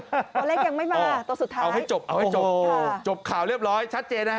ตัวเลขยังไม่มาตัวสุดท้ายเอาให้จบเอาให้จบจบข่าวเรียบร้อยชัดเจนนะฮะ